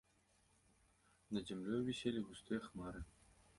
Над зямлёю віселі густыя хмары.